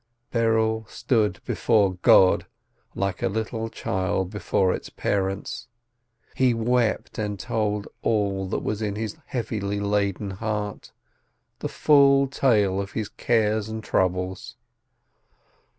Berel stood before God like a little child before its parents; he wept and told all that was in his heavily laden heart, the full tale of his cares and troubles.